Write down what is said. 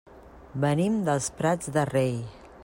Venim dels Prats de Rei.